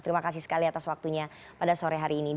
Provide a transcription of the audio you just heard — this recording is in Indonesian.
terima kasih sekali atas waktunya pada sore hari ini